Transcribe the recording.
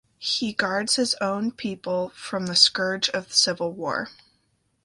He guards his own people from the scourge of civil war.